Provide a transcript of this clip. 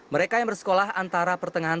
mereka yang bersekolah antara pertengahan